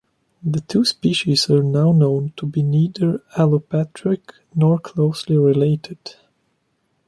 The two species are now known to be neither allopatric nor closely related.